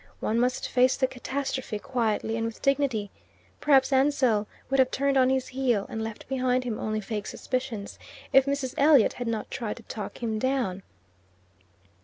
One must face the catastrophe quietly and with dignity. Perhaps Ansell would have turned on his heel, and left behind him only vague suspicions, if Mrs. Elliot had not tried to talk him down.